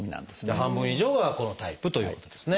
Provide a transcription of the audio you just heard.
半分以上はこのタイプということですね。